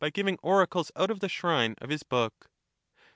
giving oracles out of the shrine of his book.